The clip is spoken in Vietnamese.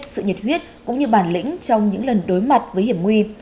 sự nhiệt huyết cũng như bản lĩnh trong những lần đối mặt với hiểm nguy